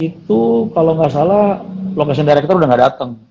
itu kalau gak salah location director udah gak dateng